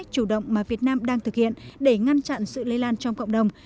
chủ động mà việt nam đang thực hiện để ngăn chặn sự lây lan trong cộng đồng